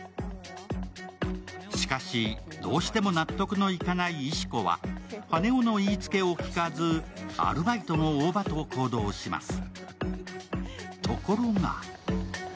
しかし、どうしても納得のいかない石子は羽男の言いつけを聞かず、アルバイトの大庭と行動します。